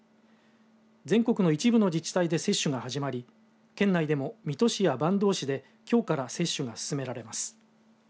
全国の一部の自治体で接種が始まり県内でも水戸市や坂東市できょうから接種が進められます。